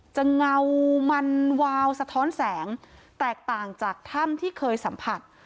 เงามันวาวสะท้อนแสงแตกต่างจากถ้ำที่เคยสัมผัส